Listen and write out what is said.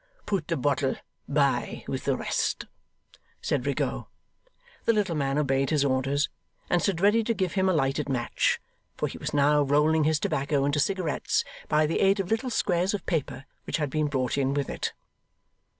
'Put the bottle by with the rest,' said Rigaud. The little man obeyed his orders, and stood ready to give him a lighted match; for he was now rolling his tobacco into cigarettes by the aid of little squares of paper which had been brought in with it.